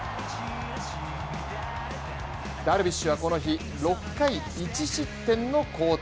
ダルビッシュはこの日、６回１失点の好投。